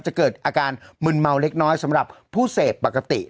เกิดอาการมึนเมาเล็กน้อยสำหรับผู้เสพปกติ